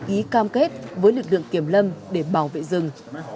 ký cam kết với lực lượng kiểm lâm để bảo vệ rừng